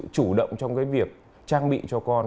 chủ động trong cái việc trang bị cho con